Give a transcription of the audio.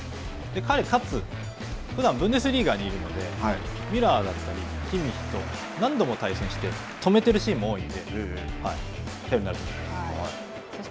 彼、かつ、ふだんブンデスリーガにいるのでミュラーだったりキミッヒと何度も対戦して止めているシーンも多いので、頼りになると思います。